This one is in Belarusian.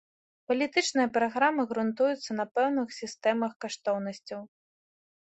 Палітычныя праграмы грунтуюцца на пэўных сістэмах каштоўнасцяў.